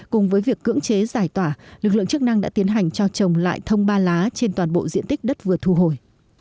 cùng với việc cưỡng chế giải tỏa lực lượng chức năng đã tiến hành cho trồng lại thông ba lá trên toàn bộ diện tích đất vừa thu hồi